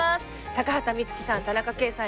高畑充希さん田中圭さん